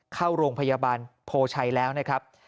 เข้าโรงพยาบาลโพชัยแล้วนะครับ